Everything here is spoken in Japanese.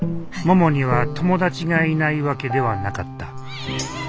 ももには友達がいないわけではなかった。